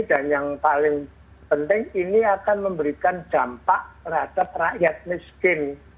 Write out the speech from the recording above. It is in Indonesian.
dan yang paling penting ini akan memberikan dampak terhadap rakyat miskin